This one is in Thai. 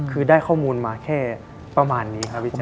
คือได้ข้อมูลมาแค่ประมาณนี้ครับพี่แจ